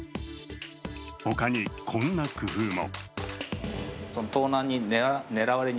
他に、こんな工夫も。